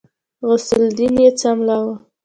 غوث الدين يې څملاوه.